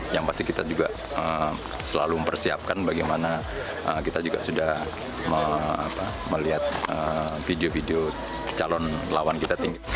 yang pasti kita juga selalu mempersiapkan bagaimana kita juga sudah melihat video video calon lawan kita tinggi